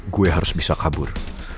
gue harus bisa kabur